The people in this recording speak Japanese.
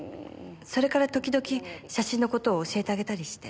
それから時々写真の事を教えてあげたりして。